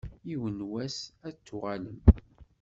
Yiwen n wass ad d-tuɣalem.